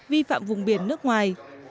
vi phạm vùng biển nước ngoài